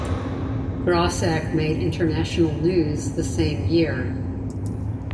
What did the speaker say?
Grossack made international news the same year.